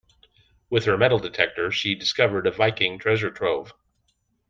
With her metal detector she discovered a Viking treasure trove.